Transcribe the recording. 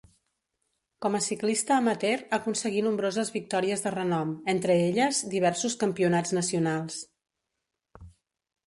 Com a ciclista amateur aconseguí nombroses victòries de renom, entre elles diversos campionats nacionals.